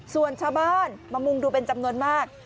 ส่วนชาวบ้านมามุงดูเป็นจำนวนมาก